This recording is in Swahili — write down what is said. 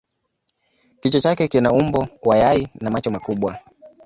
Kichwa chake kina umbo wa yai na macho makubwa.